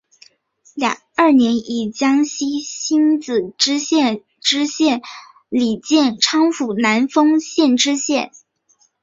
二年以江西星子县知县署理建昌府南丰县知县。